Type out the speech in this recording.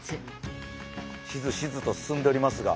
しずしずと進んでおりますが。